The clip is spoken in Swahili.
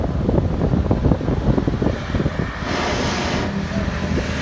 viazi lishe si kuchemsha na kukaanga tu